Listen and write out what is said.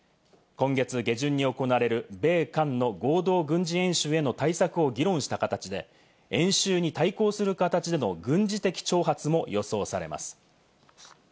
今月下旬に行われる米韓の合同軍事演習への対策を議論した形で、演習に対抗する形での軍事的挑発も予想されます。